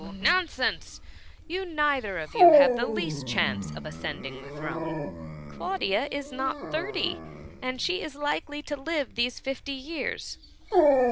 nonsense; you neither of you have the least chance of ascending the throne. Claudia is not thirty : and she is tikely to live these fifty years.''